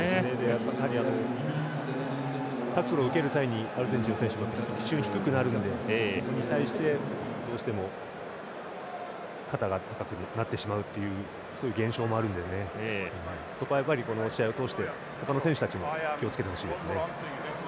やはりタックルを受ける際にアルゼンチンの選手も腰が低くなるのでそこに対して、どうしても肩が高くなってしまうというそういう現象もあるのでそれは、この試合を通して他の選手たちも気をつけてほしいですね。